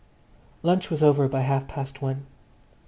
Lunch was over by half past one.